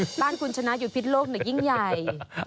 บ้านคุณชนะอยู่พิษโลกยิ่งใหญ่